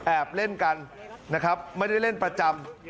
เล่นกันนะครับไม่ได้เล่นประจำ